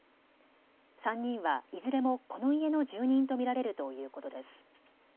３人はいずれもこの家の住人と見られるということです。